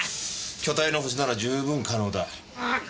巨体のホシなら十分可能だ。